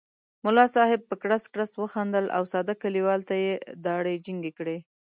ملا صاحب په کړس کړس وخندل او ساده کلیوال ته یې داړې جینګې کړې.